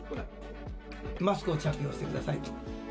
「マスクを着用してください」と。